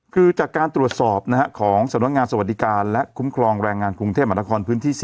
คือจากการตรวจสอบของสำนักงานสวัสดิการและคุ้มครองแรงงานกรุงเทพมหานครพื้นที่๔